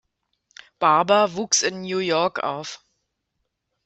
Barber wuchs in New York auf.